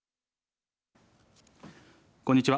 こんにちは。